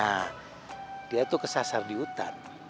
nah dia tuh kesasar di hutan